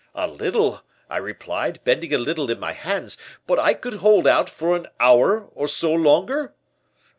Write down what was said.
"'A little,' I replied, bending a little in my hands, 'but I could hold out for an hour or so longer.